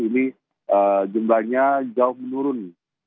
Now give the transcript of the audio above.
ini jumlahnya jauh menurun